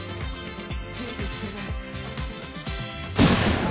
準備してます！